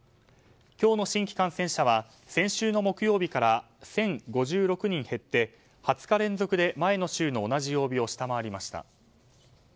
今日の新規感染者は先週の木曜日から１０５６人減って２０日連続で前の週の同じ曜日を下回りました。